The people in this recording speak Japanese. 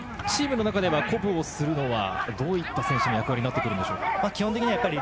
チームの中で鼓舞をするのは、どういった選手の役割になってくるんでしょう。